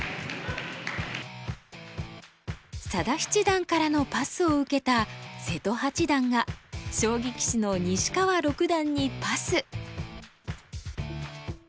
佐田七段からのパスを受けた瀬戸八段が将棋棋士の西川六段にパス。